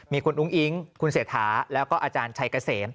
มีคุณอุ้งอิ๊งคุณเศรษฐาแล้วก็อาจารย์ชัยเกษม